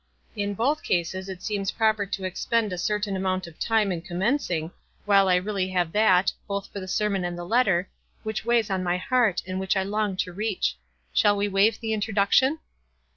In both cases it seems proper to expend a certain amount of time in commencing, while I really have that, both for the sermon and the letter, which weighs on my heart, and which I long to reach. Shall we waive the introduction?